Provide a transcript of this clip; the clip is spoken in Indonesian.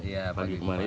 iya pagi kemarin